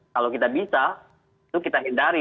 kalau kita bisa itu kita hindari